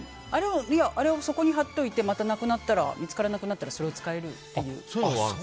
あれをそこに貼っておいて、また見つからなくなったらそれを使えるという。